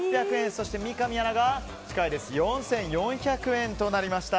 そして、三上アナが４４００円となりました。